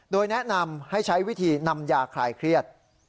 โดยแนะนำให้ใช้วิธีนำยาคลายเครียด